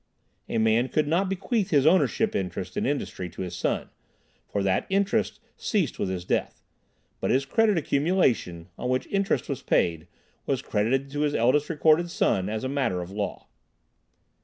A man could not bequeath his ownership interest in industry to his son, for that interest ceased with his death, but his credit accumulation, on which interest was paid, was credited to his eldest recorded son as a matter of law.